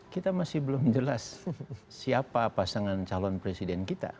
kita masih belum jelas siapa pasangan calon presiden kita